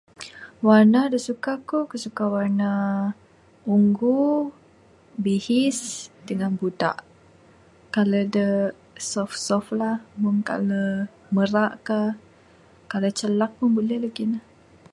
Warna da suka ku, ku suka warna unggu, bihis, dangan buda colour de soft soft la meng colour marak ka colour calak pun buleh lagih ne.